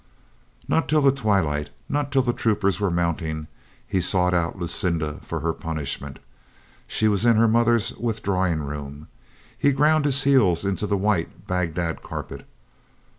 Not till the twilight, not till the troopers were mounting, he sought out Lucinda for her punish ment. She was in her mother's withdrawing room. He ground his heels into the white Bagdad carpet.